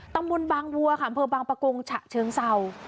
ตำบลบางวัวค่ะอำเภอบางประกงฉะเชิงเศร้า